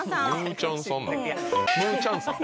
ムーちゃんさん。